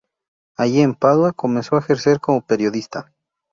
Allí en Padua comenzó a ejercer como periodista.